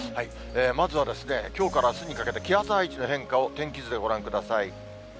まずは、きょうからあすにかけて、気圧配置の変化を天気図でご覧ください。